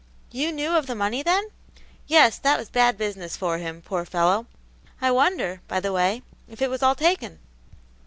"You knew of the money, then? Yes, that was bad business for him, poor fellow! I wonder, by the way, if it was all taken."